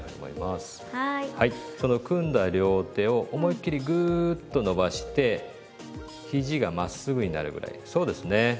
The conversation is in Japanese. その組んだ両手を思いっ切りグーッと伸ばしてひじがまっすぐになるぐらいそうですね。